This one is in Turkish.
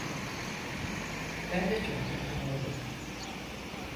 Ben de çok memnun oldum.